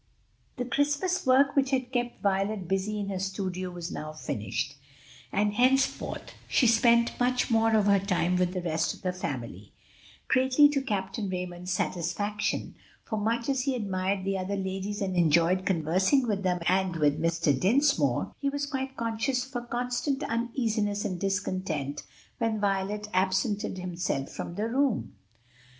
The Christmas work which had kept Violet busy in her studio was now finished, and henceforth she spent much more of her time with the rest of the family; greatly to Captain Raymond's satisfaction, for much as he admired the other ladies and enjoyed conversing with them and with Mr. Dinsmore, he was quite conscious of a constant uneasiness and discontent when Violet absented herself from the room.